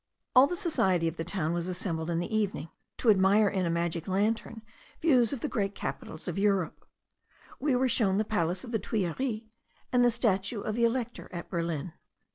All the society of the town was assembled in the evening, to admire in a magic lantern views of the great capitals of Europe. We were shown the palace of the Tuileries, and the statue of the Elector at Berlin.